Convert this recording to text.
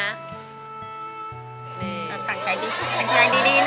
เอาต่างไก่ดีต่างไก่ดีนะ